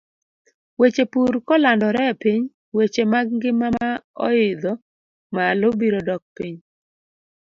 Weche pur kolandore e piny, weche mag ngima ma oidho malo biro dok piny.